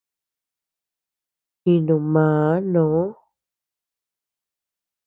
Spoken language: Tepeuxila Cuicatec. Jinu màà noo.